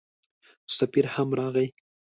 سفیر هم راغی.